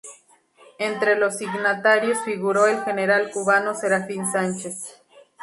Entre los signatarios figuró el general cubano Serafín Sánchez.